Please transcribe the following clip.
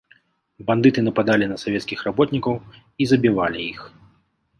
Бандыты нападалі на савецкіх работнікаў і забівалі іх.